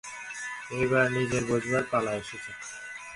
এইবার নিজের বোঝবার পালা এসেছে।